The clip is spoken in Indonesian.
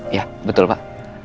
iya betul pak